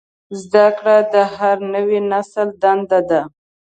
زدهکړه د هر نوي نسل دنده ده.